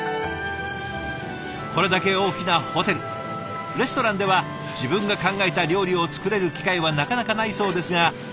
これだけ大きなホテルレストランでは自分が考えた料理を作れる機会はなかなかないそうですが